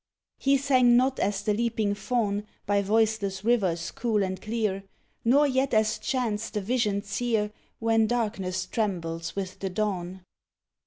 He sang not as the leaping faim By voiceless rivers cool and clear, Nor yet as chants the visioned seer When darkness trembles with the dawn.